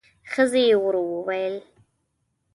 ښځې ورو وويل: